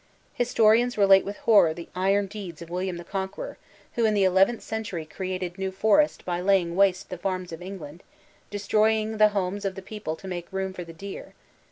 Historians relate with horror the iron deeds of William the Conqueror, who in the eleventh century created the New Forest by laying waste the farms of England, de stroying the homes of the people to make room for the deer.